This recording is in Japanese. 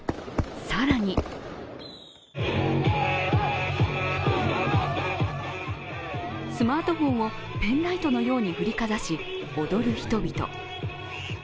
更にスマートフォンをペンライトのように振りかざし踊る人々。